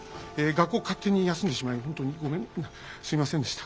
学校勝手に休んでしまいほんとにごめんすいませんでした。